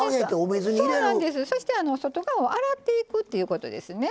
そして外側を洗っていくっていうことですね。